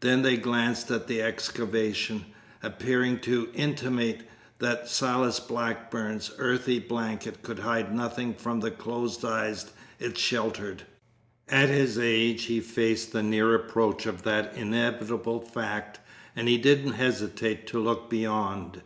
Then they glanced at the excavation, appearing to intimate that Silas Blackburn's earthy blanket could hide nothing from the closed eyes it sheltered. At his age he faced the near approach of that inevitable fact, and he didn't hesitate to look beyond.